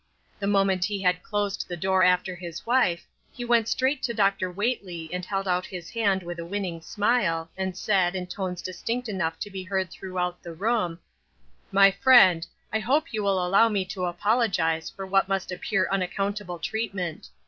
The moment he had closed the door after his wife, he went straight to Dr. Whately and held out his hand with a winning smile, and said, in tones distinct enough to be heard through out the room :" My friend, I hope you will allow me to apologize for what must appear unaccount able treatment.